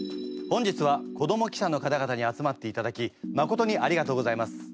本日は子ども記者の方々に集まっていただきまことにありがとうございます。